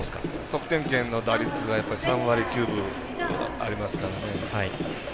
得点圏の打率が３割９分ありますからね。